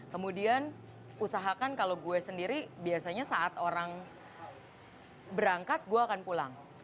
kemudian usahakan kalau gue sendiri biasanya saat orang berangkat gue akan pulang